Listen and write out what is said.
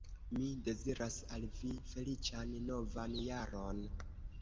Mi deziras al vi feliĉan novan jaron!